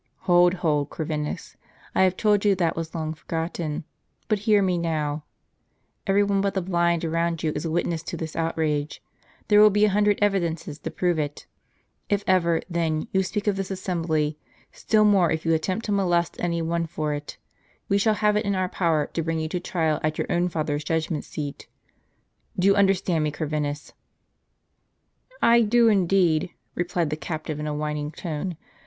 "Hold, hold, Corvinus, I have told you that was long forgotten. But hear me now. Every one but the blind around you is a witness to this outrage. There will be a hundred evidences to prove it. If ever, then, you speak of this assembly, still more if you attempt to molest any one for it, we shall have it in our power to bring you to trial at your own father's judgment seat. Do you understand me, Corvinus?" trd " I do, indeed," replied the captive in a whining tone.